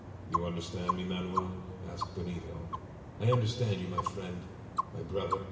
"You understand me, Manoel?" asked Benito. "I understand you, my friend, my brother!"